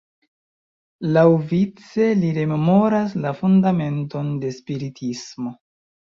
Laŭvice li rememoras la fundamenton de Spiritismo.